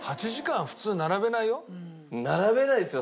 並べないですよ